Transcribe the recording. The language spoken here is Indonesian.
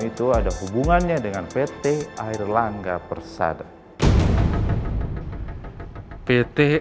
ibu kenal dengan orang itu